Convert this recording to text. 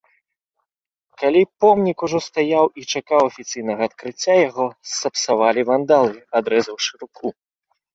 Калі помнік ужо стаяў і чакаў афіцыйнага адкрыцця, яго сапсавалі вандалы, адрэзаўшы руку.